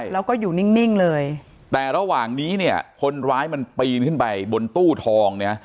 แล้วก็อยู่นิ่งเลยแต่ระหว่างนี้เนี่ยคนร้ายมันปีนขึ้นไปบนตู้ทองเนี่ย